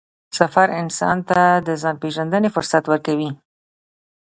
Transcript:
سفر انسان ته د ځان پېژندنې فرصت ورکوي